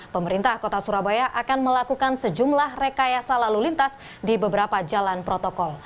pemerintah kota surabaya akan melakukan sejumlah rekayasa lalu lintas di beberapa jalan protokol